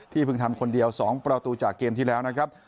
เพิ่งทำคนเดียว๒ประตูจากเกมที่แล้วนะครับ